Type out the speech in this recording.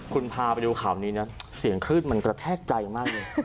คุณพาไปดูข่าวนี้เสียงครืดกระแทกใจมากเลย